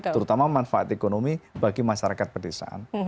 terutama manfaat ekonomi bagi masyarakat pedesaan